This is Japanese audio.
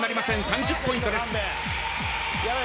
３０ポイントです。